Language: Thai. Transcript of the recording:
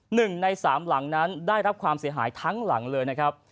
หนึ่งในสามหลังนั้นได้รับความเสียหายทั้งหลังเลยนะครับ